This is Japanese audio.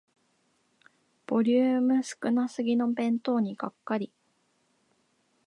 ボリューム少なすぎの弁当にがっかり